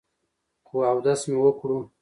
خو اودس مې وکړو ـ